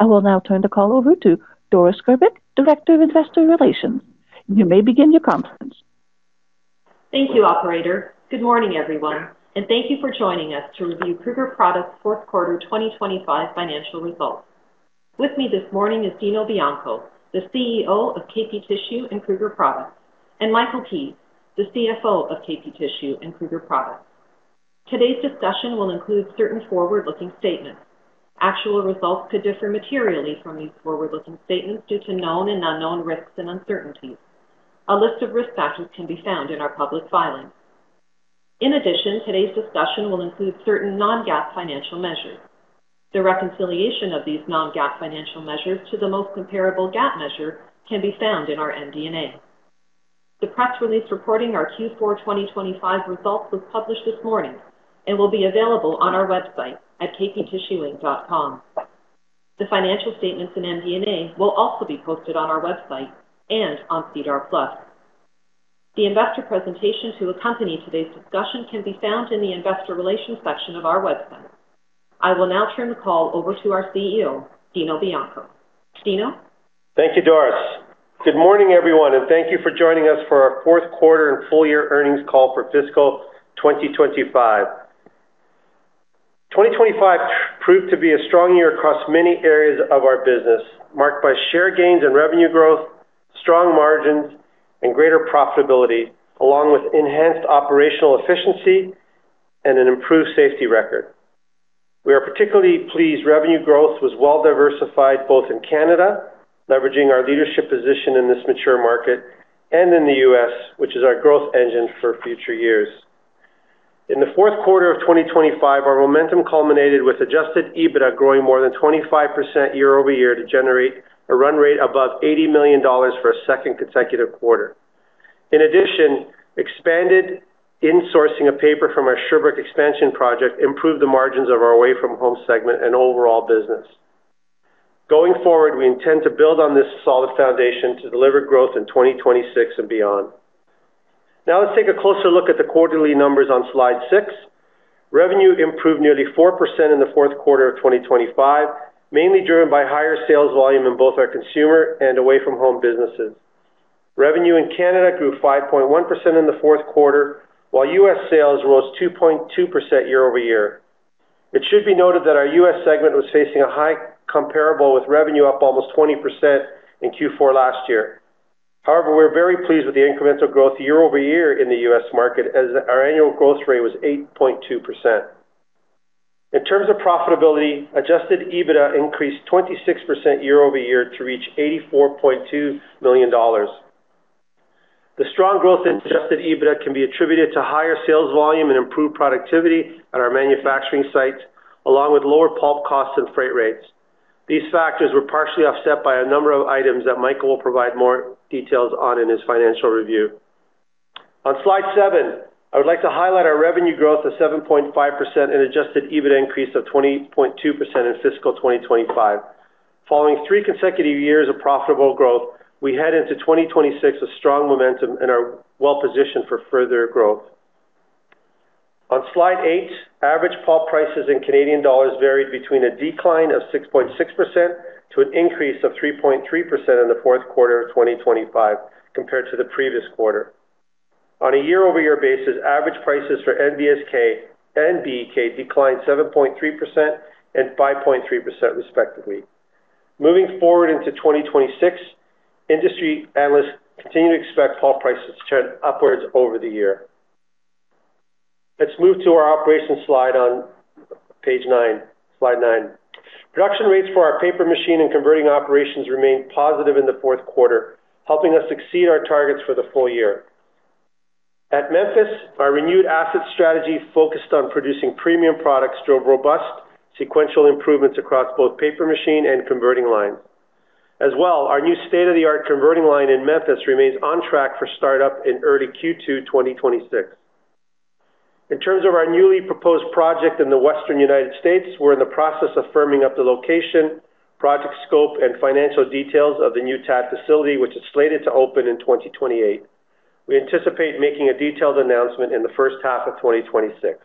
I will now turn the call over to Doris Grbic, Director of Investor Relations. You may begin your conference. Thank you, operator. Good morning, everyone, and thank you for joining us to review Kruger Products' Q4 2025 financial results. With me this morning is Dino Bianco, the CEO of KP Tissue and Kruger Products, and Michael Keays, the CFO of KP Tissue and Kruger Products. Today's discussion will include certain forward-looking statements. Actual results could differ materially from these forward-looking statements due to known and unknown risks and uncertainties. A list of risk factors can be found in our public filings. In addition, today's discussion will include certain non-GAAP financial measures. The reconciliation of these non-GAAP financial measures to the most comparable GAAP measure can be found in our MD&A. The press release reporting our Q4 2025 results was published this morning and will be available on our website at kptissue.com. The financial statements in MD&A will also be posted on our website and on SEDAR+. The investor presentation to accompany today's discussion can be found in the Investor Relations section of our website. I will now turn the call over to our CEO, Dino Bianco. Dino? Thank you, Doris. Good morning, everyone, and thank you for joining us for our fourth quarter and full year earnings call for fiscal 2025. 2025 proved to be a strong year across many areas of our business, marked by share gains and revenue growth, strong margins, and greater profitability, along with enhanced operational efficiency and an improved safety record. We are particularly pleased revenue growth was well diversified, both in Canada, leveraging our leadership position in this mature market, and in the U.S., which is our growth engine for future years. In the fourth quarter of 2025, our momentum culminated with adjusted EBITDA growing more than 25% year-over-year to generate a run rate above 80 million dollars for a second consecutive quarter. In addition, expanded insourcing of paper from our Sherbrooke expansion project improved the margins of our away from home segment and overall business. Going forward, we intend to build on this solid foundation to deliver growth in 2026 and beyond. Now, let's take a closer look at the quarterly numbers on slide 6. Revenue improved nearly 4% in the fourth quarter of 2025, mainly driven by higher sales volume in both our consumer and away from home businesses. Revenue in Canada grew 5.1% in the fourth quarter, while U.S. sales rose 2.2% year over year. It should be noted that our U.S. segment was facing a high comparable, with revenue up almost 20% in Q4 last year. However, we're very pleased with the incremental growth year-over-year in the US market, as our annual growth rate was 8.2%. In terms of profitability, Adjusted EBITDA increased 26% year-over-year to reach 84.2 million dollars. The strong growth in Adjusted EBITDA can be attributed to higher sales volume and improved productivity at our manufacturing sites, along with lower pulp costs and freight rates. These factors were partially offset by a number of items that Michael will provide more details on in his financial review. On slide 7, I would like to highlight our revenue growth of 7.5% and Adjusted EBITDA increase of 20.2% in fiscal 2025. Following three consecutive years of profitable growth, we head into 2026 with strong momentum and are well positioned for further growth. On slide 8, average pulp prices in Canadian dollars varied between a decline of 6.6% to an increase of 3.3% in the fourth quarter of 2025 compared to the previous quarter. On a year-over-year basis, average prices for NBSK and BEK declined 7.3% and 5.3%, respectively. Moving forward into 2026, industry analysts continue to expect pulp prices to turn upwards over the year. Let's move to our operations slide on page 9. Slide 9. Production rates for our paper machine and converting operations remained positive in the fourth quarter, helping us exceed our targets for the full year. At Memphis, our renewed asset strategy, focused on producing premium products, drove robust sequential improvements across both paper machine and converting lines. As well, our new state-of-the-art converting line in Memphis remains on track for startup in early Q2 2026. In terms of our newly proposed project in the western United States, we're in the process of firming up the location, project scope, and financial details of the new TAD facility, which is slated to open in 2028. We anticipate making a detailed announcement in the first half of 2026.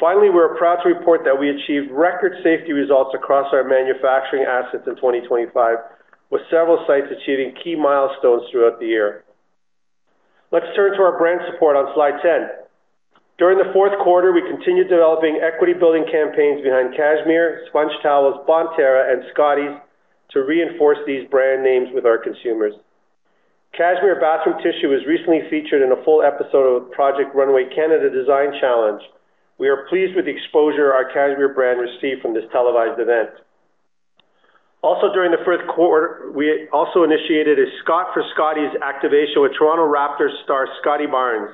Finally, we're proud to report that we achieved record safety results across our manufacturing assets in 2025, with several sites achieving key milestones throughout the year. Let's turn to our brand support on slide 10. During the fourth quarter, we continued developing equity building campaigns behind Cashmere, SpongeTowels, Bonterra, and Scotties to reinforce these brand names with our consumers. Cashmere Bathroom Tissue was recently featured in a full episode of Project Runway Canada Design Challenge. We are pleased with the exposure our Cashmere brand received from this televised event. Also, during the fourth quarter, we also initiated a Scottie for Scotties activation with Toronto Raptors star, Scottie Barnes.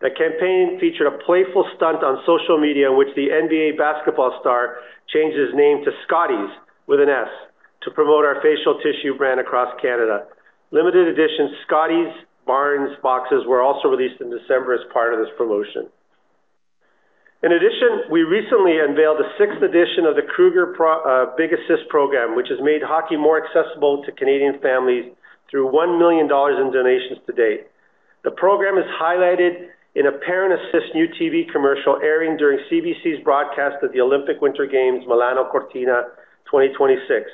The campaign featured a playful stunt on social media in which the NBA basketball star changed his name to Scotties with an S to promote our facial tissue brand across Canada. Limited edition Scotties Barnes boxes were also released in December as part of this promotion. In addition, we recently unveiled the sixth edition of the Kruger Products Big Assist program, which has made hockey more accessible to Canadian families through 1 million dollars in donations to date. The program is highlighted in a Big Assist new TV commercial airing during CBC's broadcast of the Olympic Winter Games, Milano Cortina 2026.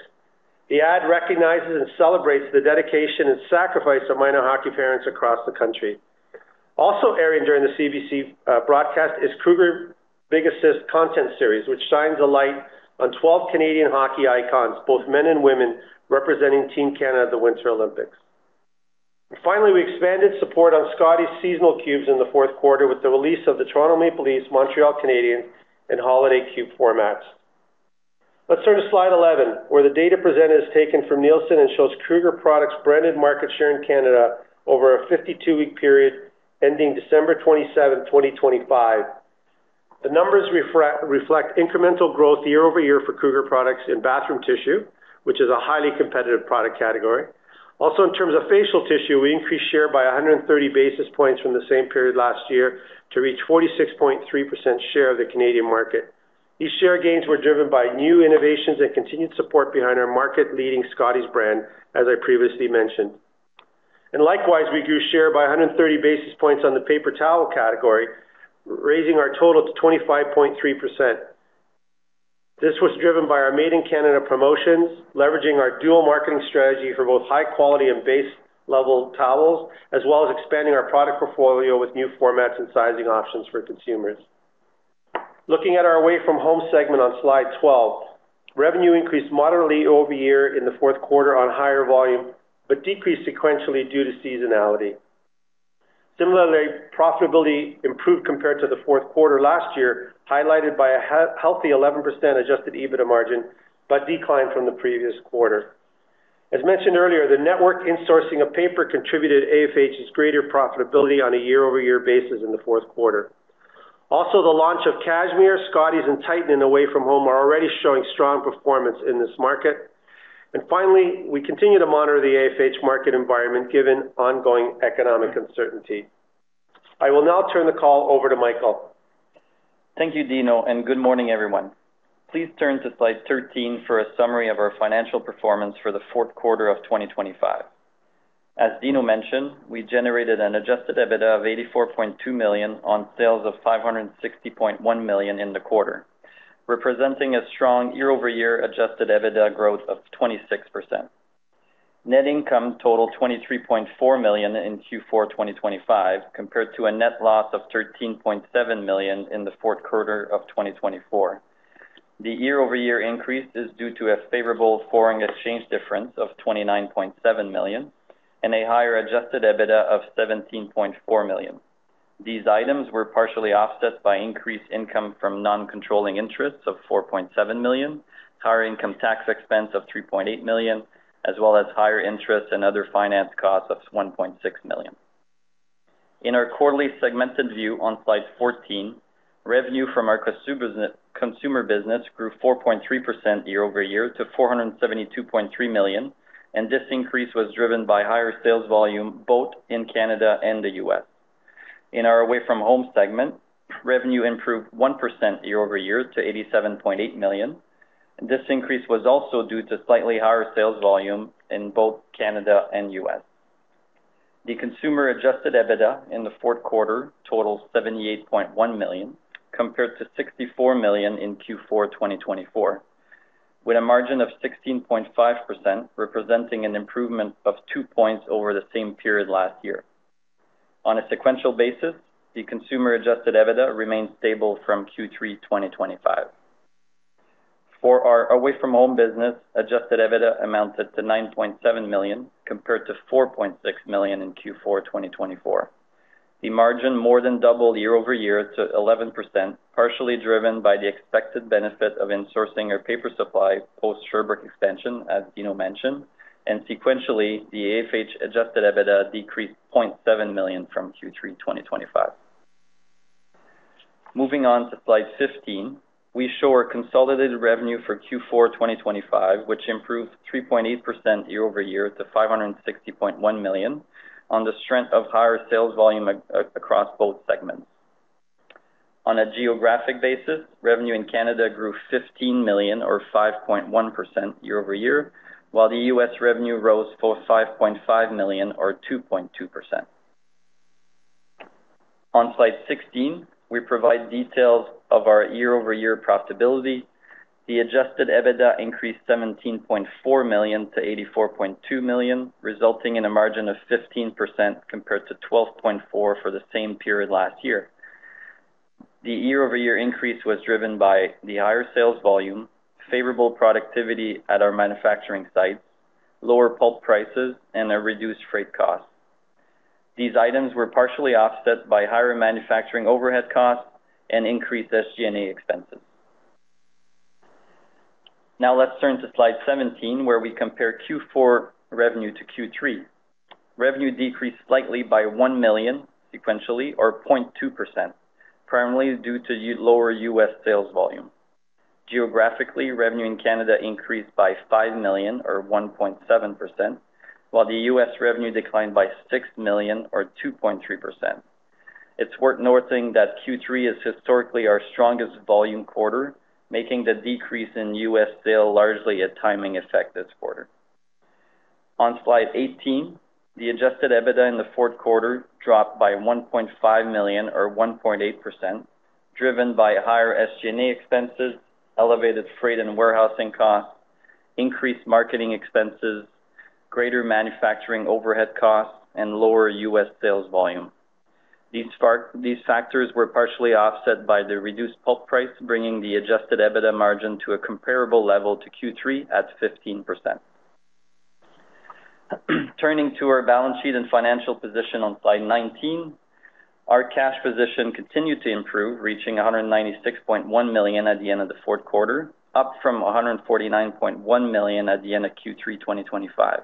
The ad recognizes and celebrates the dedication and sacrifice of minor hockey parents across the country. Also airing during the CBC broadcast is Kruger Big Assist content series, which shines a light on 12 Canadian hockey icons, both men and women, representing Team Canada at the Winter Olympics. Finally, we expanded support on Scotties seasonal cubes in the fourth quarter, with the release of the Toronto Maple Leafs, Montreal Canadiens, and Holiday Cube formats. Let's turn to slide 11, where the data presented is taken from Nielsen and shows Kruger Products' branded market share in Canada over a 52-week period ending December 27, 2025. The numbers reflect incremental growth year over year for Kruger Products in bathroom tissue, which is a highly competitive product category. Also, in terms of facial tissue, we increased share by 130 basis points from the same period last year to reach 46.3% share of the Canadian market. These share gains were driven by new innovations and continued support behind our market-leading Scotties brand, as I previously mentioned. Likewise, we grew share by 130 basis points on the paper towel category, raising our total to 25.3%. This was driven by our Made in Canada promotions, leveraging our dual marketing strategy for both high quality and base-level towels, as well as expanding our product portfolio with new formats and sizing options for consumers. Looking at our away-from-home segment on slide 12, revenue increased moderately year-over-year in the fourth quarter on higher volume, but decreased sequentially due to seasonality. Similarly, profitability improved compared to the fourth quarter last year, highlighted by a healthy 11% adjusted EBITDA margin, but declined from the previous quarter. As mentioned earlier, the network insourcing of paper contributed to AFH's greater profitability on a year-over-year basis in the fourth quarter. Also, the launch of Cashmere, Scotties, and Titan in away from home are already showing strong performance in this market. And finally, we continue to monitor the AFH market environment, given ongoing economic uncertainty. I will now turn the call over to Michael. Thank you, Dino, and good morning, everyone. Please turn to slide 13 for a summary of our financial performance for the fourth quarter of 2025. As Dino mentioned, we generated an Adjusted EBITDA of 84.2 million on sales of 560.1 million in the quarter, representing a strong year-over-year Adjusted EBITDA growth of 26%. Net income totaled 23.4 million in Q4 2025, compared to a net loss of 13.7 million in the fourth quarter of 2024. The year-over-year increase is due to a favorable foreign exchange difference of 29.7 million and a higher Adjusted EBITDA of 17.4 million. These items were partially offset by increased income from non-controlling interests of 4.7 million, higher income tax expense of 3.8 million, as well as higher interest and other finance costs of 1.6 million. In our quarterly segmented view on slide 14, revenue from our consumer business grew 4.3% year-over-year to 472.3 million, and this increase was driven by higher sales volume both in Canada and the U.S. In our away from home segment, revenue improved 1% year-over-year to 87.8 million. This increase was also due to slightly higher sales volume in both Canada and the U.S. The consumer adjusted EBITDA in the fourth quarter totals 78.1 million, compared to 64 million in Q4 2024, with a margin of 16.5%, representing an improvement of 2 points over the same period last year. On a sequential basis, the consumer adjusted EBITDA remains stable from Q3 2025. For our away from home business, adjusted EBITDA amounted to 9.7 million, compared to 4.6 million in Q4 2024. The margin more than doubled year-over-year to 11%, partially driven by the expected benefit of insourcing our paper supply post Sherbrooke extension, as Dino mentioned, and sequentially, the AFH adjusted EBITDA decreased 0.7 million from Q3 2025. Moving on to slide 15, we show our consolidated revenue for Q4 2025, which improved 3.8% year-over-year to 560.1 million on the strength of higher sales volume across both segments. On a geographic basis, revenue in Canada grew 15 million or 5.1% year-over-year, while the U.S. revenue rose for 5.5 million or 2.2%. On slide 16, we provide details of our year-over-year profitability. The Adjusted EBITDA increased 17.4 million to 84.2 million, resulting in a margin of 15%, compared to 12.4% for the same period last year. The year-over-year increase was driven by the higher sales volume, favorable productivity at our manufacturing sites, lower pulp prices, and a reduced freight cost. These items were partially offset by higher manufacturing overhead costs and increased SG&A expenses. Now, let's turn to slide 17, where we compare Q4 revenue to Q3. Revenue decreased slightly by 1 million sequentially, or 0.2%, primarily due to lower U.S. sales volume. Geographically, revenue in Canada increased by 5 million, or 1.7%, while the U.S. revenue declined by 6 million, or 2.3%. It's worth noting that Q3 is historically our strongest volume quarter, making the decrease in U.S. sales largely a timing effect this quarter. On slide 18, the adjusted EBITDA in the fourth quarter dropped by 1.5 million, or 1.8%, driven by higher SG&A expenses, elevated freight and warehousing costs, increased marketing expenses, greater manufacturing overhead costs, and lower U.S. sales volume. These factors were partially offset by the reduced pulp price, bringing the adjusted EBITDA margin to a comparable level to Q3 at 15%. Turning to our balance sheet and financial position on slide 19. Our cash position continued to improve, reaching 196.1 million at the end of the fourth quarter, up from 149.1 million at the end of Q3, 2025.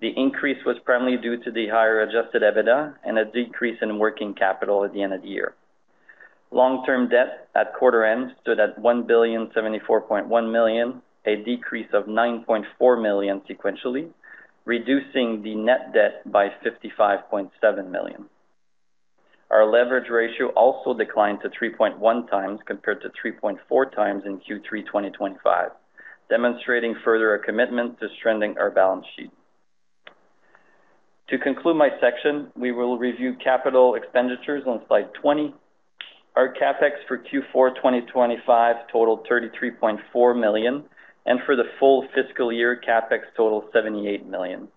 The increase was primarily due to the higher adjusted EBITDA and a decrease in working capital at the end of the year. Long-term debt at quarter end stood at 1,074.1 million, a decrease of 9.4 million sequentially, reducing the net debt by 55.7 million. Our leverage ratio also declined to 3.1 times compared to 3.4 times in Q3 2025, demonstrating further our commitment to strengthening our balance sheet. To conclude my section, we will review capital expenditures on slide 20. Our CapEx for Q4 2025 totaled 33.4 million, and for the full fiscal year, CapEx totaled 78 million.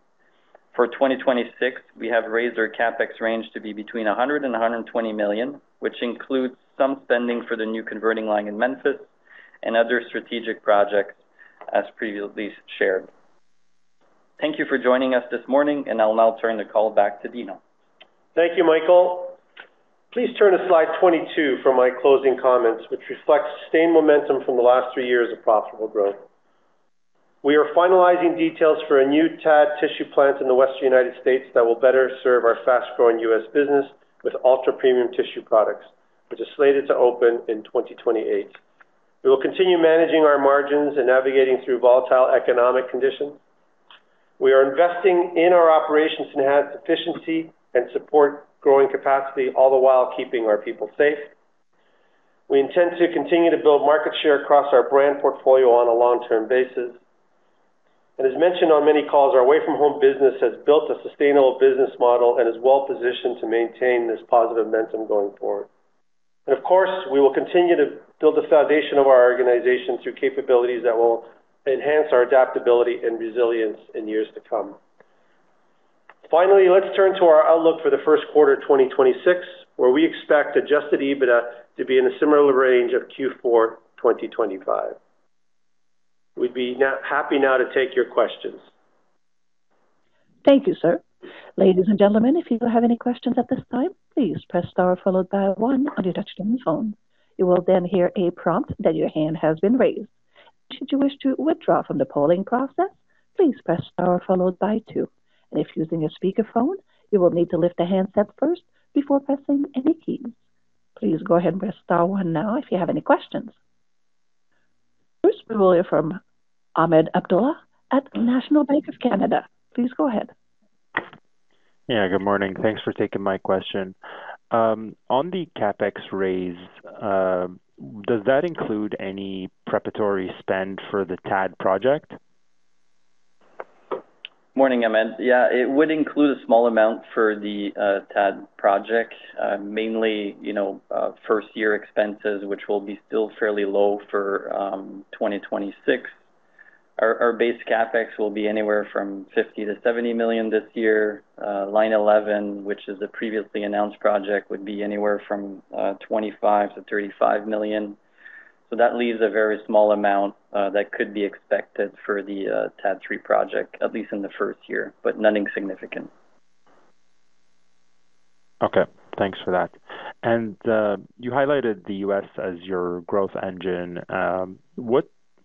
For 2026, we have raised our CapEx range to be between 100-120 million, which includes some spending for the new converting line in Memphis and other strategic projects as previously shared. Thank you for joining us this morning, and I'll now turn the call back to Dino. Thank you, Michael. Please turn to slide 22 for my closing comments, which reflect sustained momentum from the last three years of profitable growth. We are finalizing details for a new TAD tissue plant in the Western United States that will better serve our fast-growing US business with ultra-premium tissue products, which is slated to open in 2028. We will continue managing our margins and navigating through volatile economic conditions. We are investing in our operations to enhance efficiency and support growing capacity, all the while keeping our people safe. We intend to continue to build market share across our brand portfolio on a long-term basis. And as mentioned on many calls, our away-from-home business has built a sustainable business model and is well positioned to maintain this positive momentum going forward. Of course, we will continue to build the foundation of our organization through capabilities that will enhance our adaptability and resilience in years to come. Finally, let's turn to our outlook for the first quarter, 2026, where we expect Adjusted EBITDA to be in a similar range of Q4 2025. We'd be happy now to take your questions. Thank you, sir. Ladies and gentlemen, if you have any questions at this time, please press star followed by one on your touchtone phone. You will then hear a prompt that your hand has been raised. Should you wish to withdraw from the polling process, please press star followed by two. And if using a speakerphone, you will need to lift the handset first before pressing any keys. Please go ahead and press star one now if you have any questions. First, we will hear from Ahmed Abdullah at National Bank of Canada. Please go ahead. Yeah, good morning. Thanks for taking my question. On the CapEx raise, does that include any preparatory spend for the TAD project? Morning, Ahmed. Yeah, it would include a small amount for the, TAD project, mainly, you know, first year expenses, which will be still fairly low for, 2026. Our, our base CapEx will be anywhere from 50-70 million this year. Line 11, which is a previously announced project, would be anywhere from, 25-35 million. So that leaves a very small amount, that could be expected for the, TAD 3 project, at least in the first year, but nothing significant. Okay, thanks for that. And you highlighted the U.S. as your growth engine.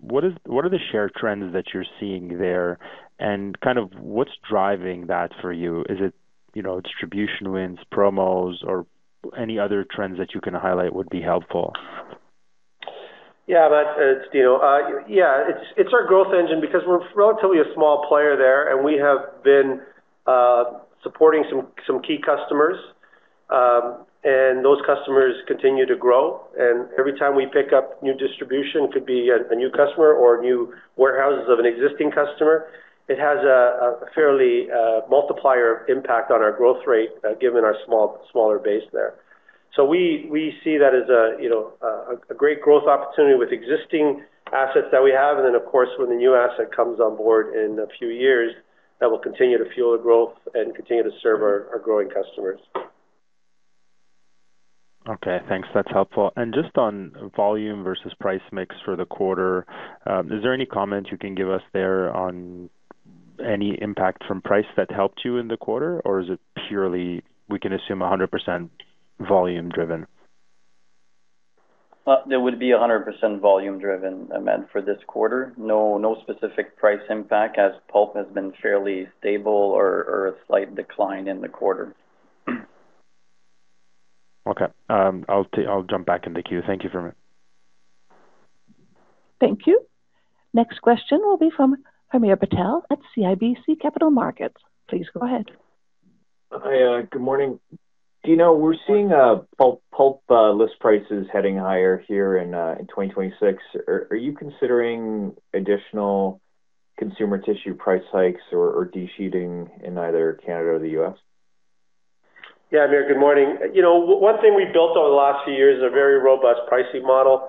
What are the share trends that you're seeing there, and kind of what's driving that for you? Is it, you know, distribution wins, promos, or any other trends that you can highlight would be helpful. Yeah, that's Dino. Yeah, it's our growth engine because we're relatively a small player there, and we have been supporting some key customers, and those customers continue to grow. And every time we pick up new distribution, could be a new customer or new warehouses of an existing customer, it has a fairly multiplier impact on our growth rate, given our smaller base there. So we see that as, you know, a great growth opportunity with existing assets that we have. And then, of course, when the new asset comes on board in a few years, that will continue to fuel the growth and continue to serve our growing customers. Okay, thanks. That's helpful. Just on volume versus price mix for the quarter, is there any comment you can give us there on any impact from price that helped you in the quarter, or is it purely we can assume 100% volume driven? Well, there would be 100% volume driven, Ahmed, for this quarter. No, no specific price impact, as pulp has been fairly stable or, or a slight decline in the quarter. Okay. I'll jump back in the queue. Thank you very much. Thank you. Next question will be from Hamir Patel at CIBC Capital Markets. Please go ahead. Hi, good morning. Dino, we're seeing pulp, pulp, list prices heading higher here in 2026. Are you considering additional consumer tissue price hikes or de-sheeting in either Canada or the U.S.? Yeah, Amir, good morning. You know, one thing we've built over the last few years is a very robust pricing model,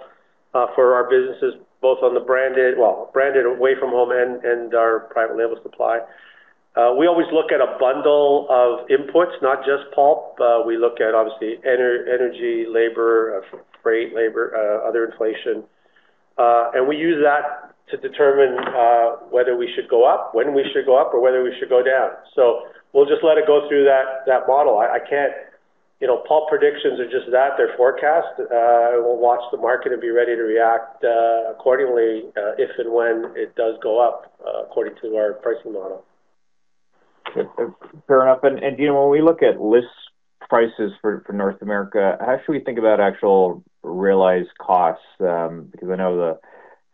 for our businesses, both on the branded... Well, branded away from home and, and our private label supply. We always look at a bundle of inputs, not just pulp. We look at obviously energy, labor, freight, labor, other inflation. And we use that to determine, whether we should go up, when we should go up, or whether we should go down. So we'll just let it go through that, that model. I can't... You know, pulp predictions are just that, they're forecast. We'll watch the market and be ready to react, accordingly, if and when it does go up, according to our pricing model. Good. Fair enough. And, Dino, when we look at list prices for North America, how should we think about actual realized costs? Because I know the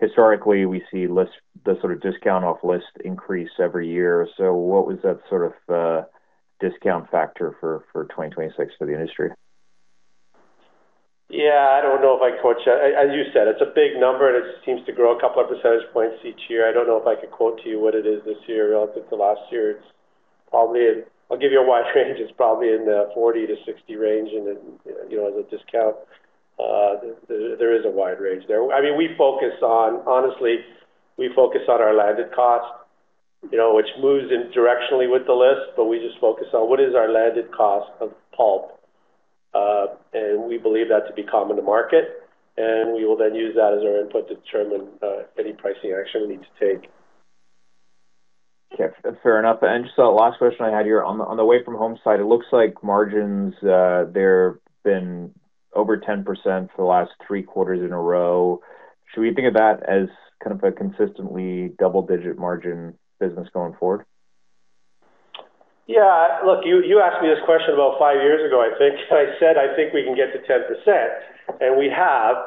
historically, we see list the sort of discount off list increase every year. So what was that sort of, discount factor for 2026 for the industry? Yeah, I don't know if I quote you. As you said, it's a big number, and it seems to grow a couple of percentage points each year. I don't know if I could quote to you what it is this year relative to last year. It's probably, I'll give you a wide range. It's probably in the 40-60 range, and then, you know, as a discount, there, there is a wide range there. I mean, we focus on... Honestly, we focus on our landed cost, you know, which moves in directionally with the list, but we just focus on what is our landed cost of pulp. And we believe that to be common to market, and we will then use that as our input to determine any pricing action we need to take. Okay. Fair enough. Just the last question I had here. On the away-from-home side, it looks like margins, they've been over 10% for the last three quarters in a row. Should we think of that as kind of a consistently double-digit margin business going forward? Yeah. Look, you asked me this question about five years ago, I think, and I said, I think we can get to 10%, and we have.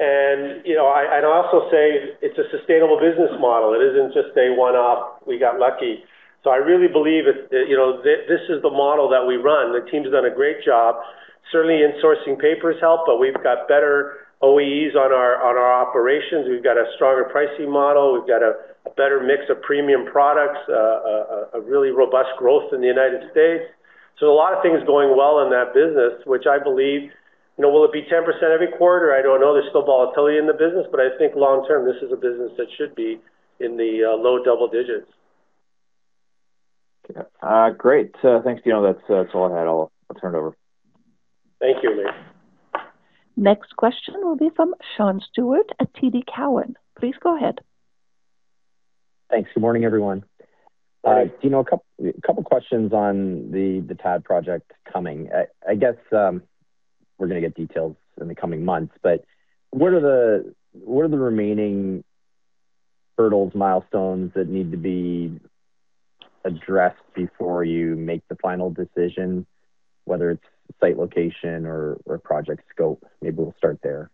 And, you know, I'd also say it's a sustainable business model. It isn't just a one-off, we got lucky. So I really believe it, you know, this is the model that we run. The team has done a great job. Certainly in sourcing papers help, but we've got better OEEs on our, on our operations. We've got a stronger pricing model. We've got a better mix of premium products, a really robust growth in the United States. So a lot of things going well in that business, which I believe, you know, will it be 10% every quarter? I don't know. There's still volatility in the business, but I think long term, this is a business that should be in the low double digits. Okay. Great. Thanks, Dino. That's all I had. I'll turn it over. Thank you, Amir. Next question will be from Sean Steuart at TD Cowen. Please go ahead. Thanks. Good morning, everyone. Hi. Dino, a couple questions on the TAD project coming. I guess, we're gonna get details in the coming months, but what are the remaining hurdles, milestones that need to be addressed before you make the final decision, whether it's site location or project scope? Maybe we'll start there.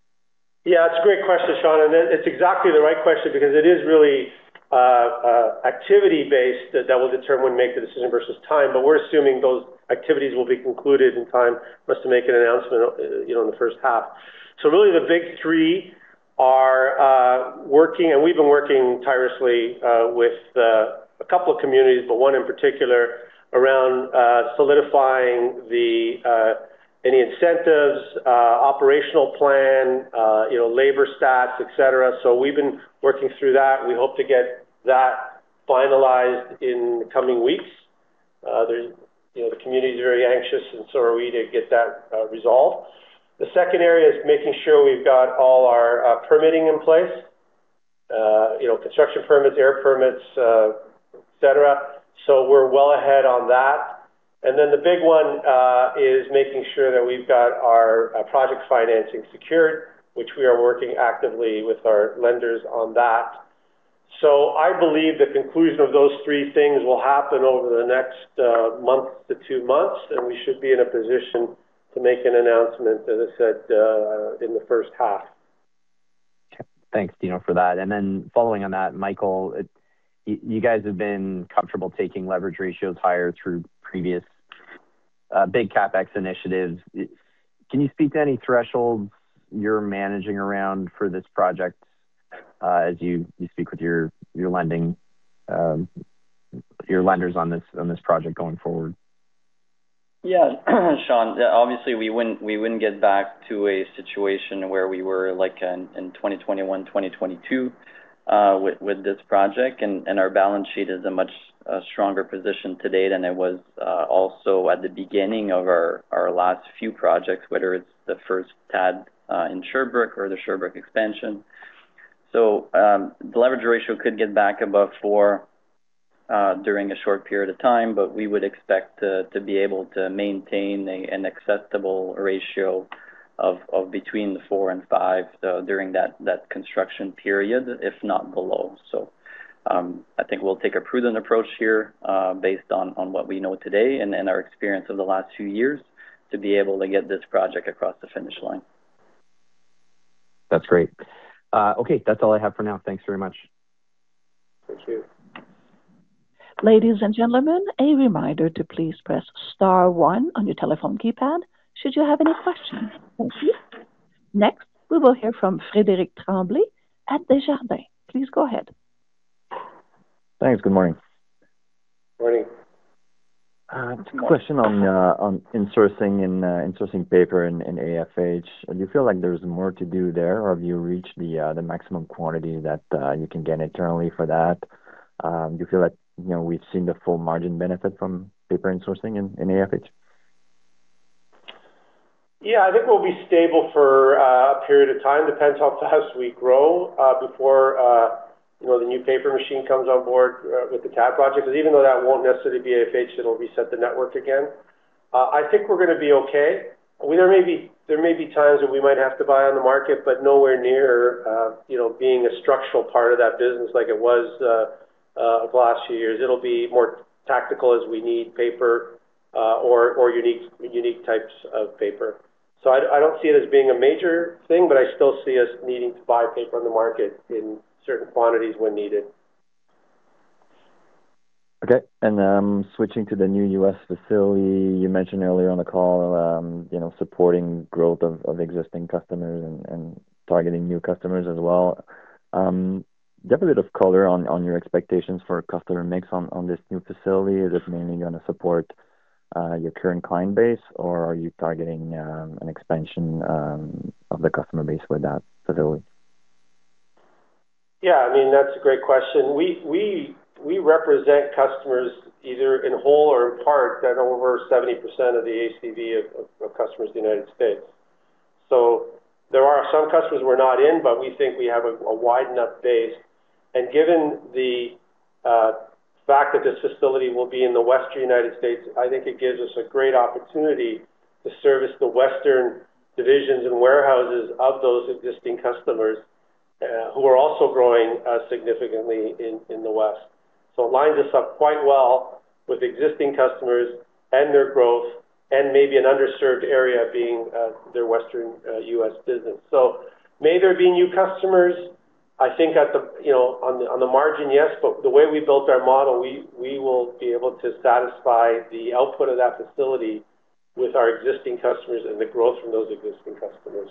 Yeah, it's a great question, Sean, and it's exactly the right question because it is really activity-based that will determine when we make the decision versus time, but we're assuming those activities will be concluded in time for us to make an announcement, you know, in the first half. So really, the big three are working, and we've been working tirelessly with a couple of communities, but one in particular, around solidifying the any incentives, operational plan, you know, labor stats, et cetera. So we've been working through that. We hope to get that finalized in the coming weeks. There's, you know, the community is very anxious, and so are we to get that resolved. The second area is making sure we've got all our permitting in place, you know, construction permits, air permits, et cetera. So we're well ahead on that. And then the big one is making sure that we've got our project financing secured, which we are working actively with our lenders on that. So I believe the conclusion of those three things will happen over the next month to two months, and we should be in a position to make an announcement, as I said, in the first half. Okay. Thanks, Dino, for that. And then following on that, Michael, you guys have been comfortable taking leverage ratios higher through previous, big CapEx initiatives. Can you speak to any thresholds you're managing around for this project, as you speak with your lending, your lenders on this project going forward? Yeah, Sean. Obviously, we wouldn't get back to a situation where we were, like, in 2021, 2022, with this project, and our balance sheet is in a much stronger position today than it was also at the beginning of our last few projects, whether it's the first TAD in Sherbrooke or the Sherbrooke expansion. So, the leverage ratio could get back above four during a short period of time, but we would expect to be able to maintain an acceptable ratio of between four and five during that construction period, if not below. So-... I think we'll take a prudent approach here, based on what we know today and our experience over the last two years, to be able to get this project across the finish line. That's great. Okay, that's all I have for now. Thanks very much. Thank you. Ladies and gentlemen, a reminder to please press star one on your telephone keypad should you have any questions. Thank you. Next, we will hear from Frederic Tremblay at Desjardins. Please go ahead. Thanks. Good morning. Morning. Question on insourcing and insourcing paper and AFH. Do you feel like there's more to do there, or have you reached the maximum quantity that you can get internally for that? Do you feel like, you know, we've seen the full margin benefit from paper insourcing in AFH? Yeah, I think we'll be stable for a period of time. Depends how fast we grow before you know the new paper machine comes on board with the TAD project. Because even though that won't necessarily be AFH, it'll reset the network again. I think we're gonna be okay. There may be times when we might have to buy on the market, but nowhere near you know being a structural part of that business like it was the last few years. It'll be more tactical as we need paper or unique types of paper. So I don't see it as being a major thing, but I still see us needing to buy paper on the market in certain quantities when needed. Okay. Switching to the new U.S. facility, you mentioned earlier on the call, you know, supporting growth of existing customers and targeting new customers as well. Do you have a bit of color on your expectations for customer mix on this new facility? Is it mainly gonna support your current client base, or are you targeting an expansion of the customer base with that facility? Yeah, I mean, that's a great question. We represent customers either in whole or in part, that are over 70% of the ACV of customers in the United States. So there are some customers we're not in, but we think we have a wide enough base. And given the fact that this facility will be in the Western United States, I think it gives us a great opportunity to service the western divisions and warehouses of those existing customers who are also growing significantly in the West. So it lines us up quite well with existing customers and their growth, and maybe an underserved area being their Western US business. So may there be new customers? I think at the... You know, on the margin, yes, but the way we built our model, we will be able to satisfy the output of that facility with our existing customers and the growth from those existing customers.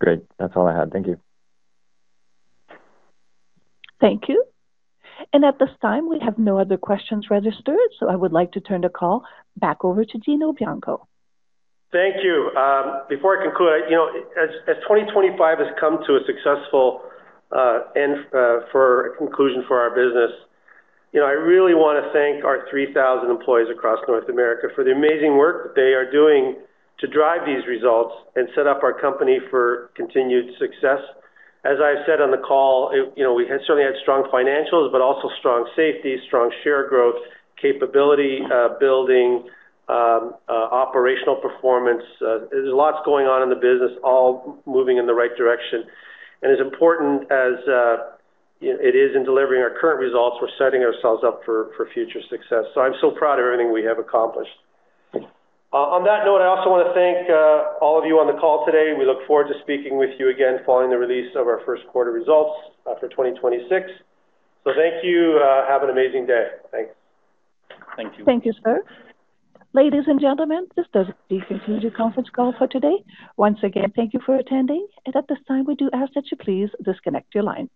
Great. That's all I had. Thank you. Thank you. At this time, we have no other questions registered, so I would like to turn the call back over to Dino Bianco. Thank you. Before I conclude, you know, as 2025 has come to a successful end for conclusion for our business, you know, I really want to thank our 3,000 employees across North America for the amazing work that they are doing to drive these results and set up our company for continued success. As I said on the call, you know, we had certainly had strong financials, but also strong safety, strong share growth, capability building operational performance. There's lots going on in the business, all moving in the right direction. And as important as it is in delivering our current results, we're setting ourselves up for future success. So I'm so proud of everything we have accomplished. On that note, I also want to thank all of you on the call today. We look forward to speaking with you again following the release of our first quarter results for 2026. So thank you. Have an amazing day. Thanks. Thank you. Thank you, sir. Ladies and gentlemen, this does conclude the conference call for today. Once again, thank you for attending, and at this time, we do ask that you please disconnect your line.